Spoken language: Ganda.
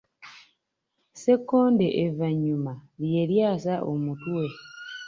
Ssekkonde evvannyuma, lye lyasa omutwe.